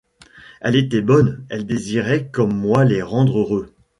Elle était bonne, elle désirait comme moi les rendre heureux !